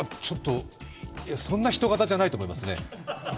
そんなヒト型じゃないと思いますね。